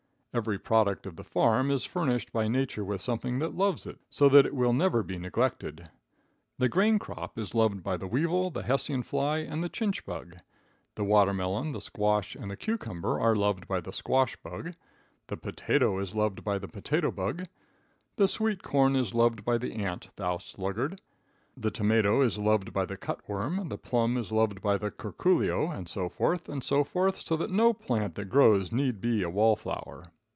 Every product of the farm is furnished by nature with something that loves it, so that it will never be neglected. The grain crop is loved by the weevil, the Hessian fly, and the chinch bug; the watermelon, the squash and the cucumber are loved by the squash bug; the potato is loved by the potato bug; the sweet corn is loved by the ant, thou sluggard; the tomato is loved by the cut worm; the plum is loved by the curculio, and so forth, and so forth, so that no plant that grows need be a wall flower.